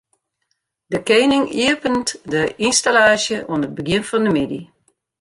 De kening iepenet de ynstallaasje oan it begjin fan de middei.